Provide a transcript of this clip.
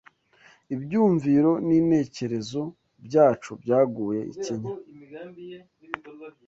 Ibyumviro n’intekerezo byacu byaguye ikinya